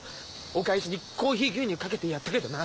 お返しにコーヒー牛乳かけてやったけどな。